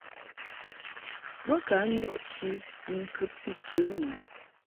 Bo ka ndɔʼ chi ni ŋkɨbti ke mɨ.